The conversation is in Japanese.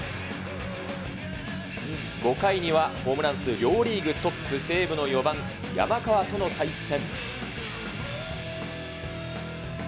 ５回にはホームラン数、両リーグトップ、西武の４番、山川との対戦。